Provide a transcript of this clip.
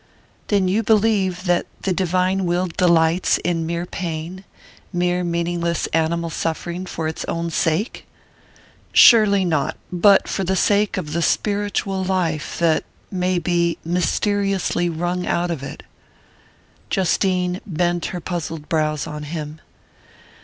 "Then you believe that the divine will delights in mere pain mere meaningless animal suffering for its own sake?" "Surely not; but for the sake of the spiritual life that may be mysteriously wrung out of it." Justine bent her puzzled brows on him.